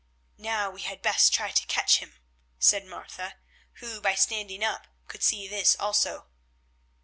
"Now we had best try to catch him," said Martha, who, by standing up, could see this also.